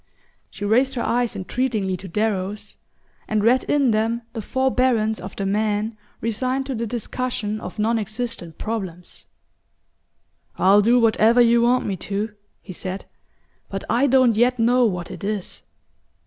She raised her eyes entreatingly to Darrow's, and read in them the forbearance of the man resigned to the discussion of non existent problems. "I'll do whatever you want me to," he said; "but I don't yet know what it is."